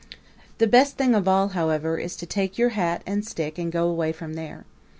The best thing of all, however, is to take your hat and stick and go away from there.